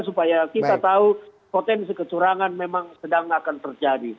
supaya kita tahu potensi kecurangan memang sedang akan terjadi